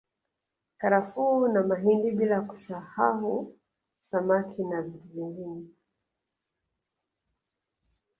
Karafuu na mahindi bila kusasahu samaki na vitu vingine